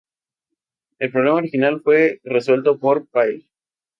El problema original fue resuelto por Pál.